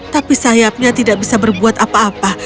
tapi sayapnya tidak bisa berbuat apa apa